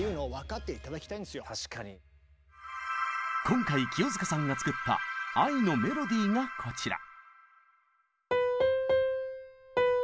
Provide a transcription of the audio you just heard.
今回清塚さんが作った「愛のメロディー」がこちら。